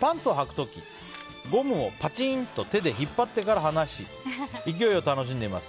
パンツをはく時、ゴムをぱちんと手で引っ張ってから離し勢いを楽しんでいます。